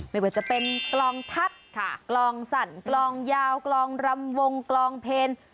ไม่ว่าจะเป็นกลองทัศน์กลองสั่นกลองยาวกลองรำวงกลองเพล